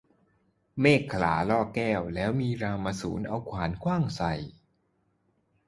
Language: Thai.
เมขลาล่อแก้ว แล้วมีรามสูรเอาขวานขว้างใส่